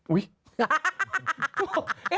อุ๊ย